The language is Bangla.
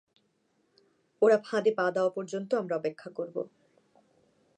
ওরা ফাঁদে পা দেওয়া পর্যন্ত আমরা অপেক্ষা করবো।